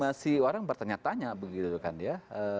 masih orang bertanya tanya begitu kan ya